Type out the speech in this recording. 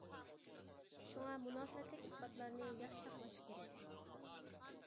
شۇڭا مۇناسىۋەتلىك ئىسپاتلارنى ياخشى ساقلاش كېرەك.